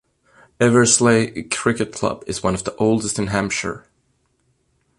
Eversley Cricket Club is one of the oldest in Hampshire.